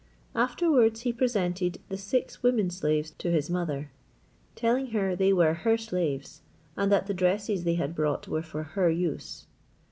Afterwards he presented the six women slaves to his mother, telling her they were her slaves, and that the dresses they had brought were for her use.